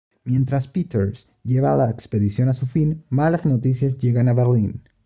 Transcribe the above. Mientras Peters lleva la expedición a su fin, malas noticias llegan a Berlín.